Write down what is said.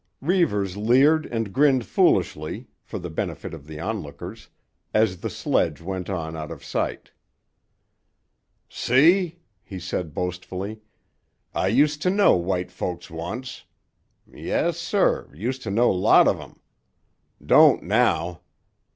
Reivers leered and grinned foolishly—for the benefit of the onlookers—as the sledge went on out of sight. "See?" he said boastfully. "I used to know white folks once. Yes sir; used to know lot of 'em. Don't now.